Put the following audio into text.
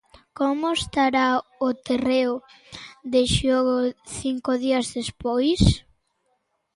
Como estará o terreo de xogo cinco días despois?